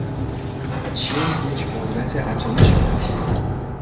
چین یک قدرت اتمی شده است.